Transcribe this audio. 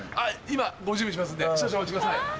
今ご準備しますんで少々お待ちください。